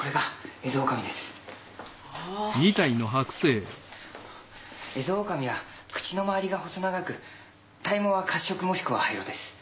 エゾオオカミは口の周りが細長く体毛は褐色もしくは灰色です。